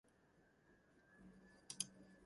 Kayseri was first known as the city of "Masaka".